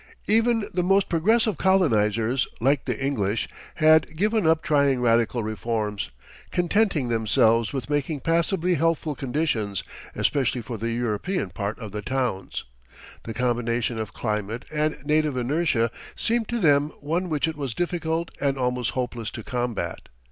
Even the most progressive colonizers, like the English, had given up trying radical reforms, contenting themselves with making passably healthful conditions, especially for the European part of the towns. The combination of climate and native inertia seemed to them one which it was difficult and almost hopeless to combat.